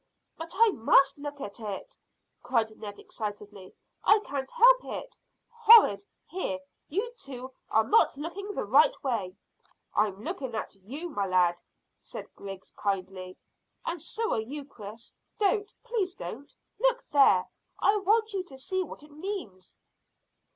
"But I must look at it," cried Ned excitedly. "I can't help it. Horrid! Here, you two are not looking the right way." "I'm looking at you, my lad," said Griggs kindly. "And so are you, Chris. Don't please don't. Look there; I want you to see what it means."